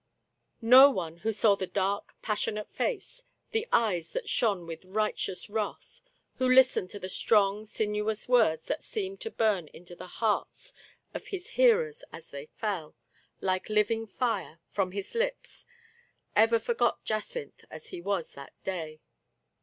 No one who saw the dark, passionate face— the eyes that shone with righteous wrath — who listened to the strong, sinuous words that seemed to burn into the hearts of his hearers as they fell, like living fire, from his lips, ever forgot Jacynth as he was that day.